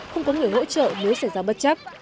không có người hỗ trợ nếu xảy ra bất chấp